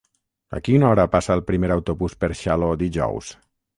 A quina hora passa el primer autobús per Xaló dijous?